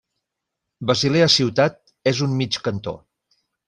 Basilea-Ciutat és un mig cantó.